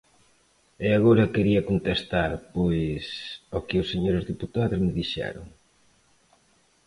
E agora quería contestar, pois, ao que os señores deputados me dixeron.